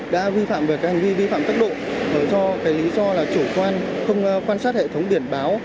đã vi phạm về cái hành vi vi phạm tốc độ do cái lý do là chủ quan không quan sát hệ thống biển báo